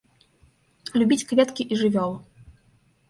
Любіць кветкі і жывёл.